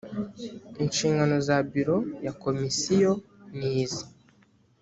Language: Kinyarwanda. inshingano za biro ya komisiyo ni izi